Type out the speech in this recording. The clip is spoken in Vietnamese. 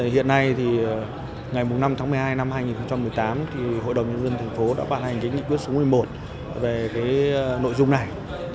hiện nay thì ngày năm tháng một mươi hai năm hai nghìn một mươi tám hội đồng nhân dân thành phố đã ban hành nghị quyết số một mươi một về nội dung này